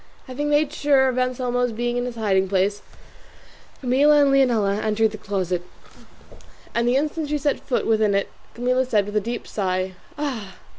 Having made sure of Anselmo's being in his hiding place, Camilla and Leonela entered the closet, and the instant she set foot within it Camilla said, with a deep sigh, "Ah!